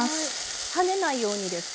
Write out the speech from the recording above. はねないようにですか？